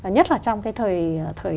nhất là trong cái thời